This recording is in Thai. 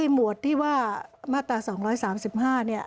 หมวดที่ว่ามาตรา๒๓๕เนี่ย